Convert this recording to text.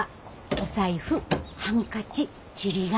お財布ハンカチちり紙。